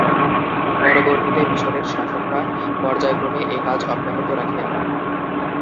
পরবর্তীতে মিসরের শাসকরা পর্যায়ক্রমে এ কাজ অব্যাহত রাখেন।